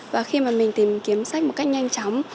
và khi mà mình tìm kiếm sách một cách nhanh chóng